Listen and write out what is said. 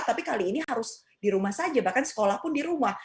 tapi kali ini harus di rumah saja bahkan sekolah pun di rumah